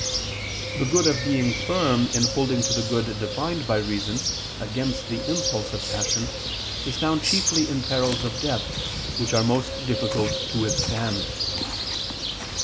The good of being firm in holding to the good defined by reason, against the impulse of passion, is found chiefly in perils of death, which are most difficult to withstand.